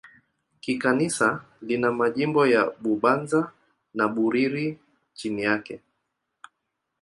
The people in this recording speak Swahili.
Kikanisa lina majimbo ya Bubanza na Bururi chini yake.